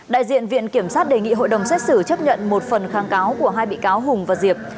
đại diện viện kiểm sát đề nghị hội đồng xét xử chấp nhận một phần kháng cáo của hai bị cáo hùng và diệp